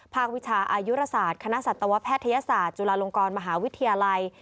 วิชาอายุราศาสตร์คณะสัตวแพทยศาสตร์จุฬาลงกรมหาวิทยาลัย